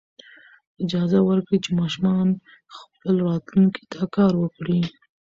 اجازه ورکړئ چې ماشومان خپلې راتلونکې ته کار وکړي.